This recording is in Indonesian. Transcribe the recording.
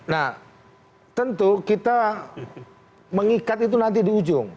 nah tentu kita mengikat itu nanti di ujung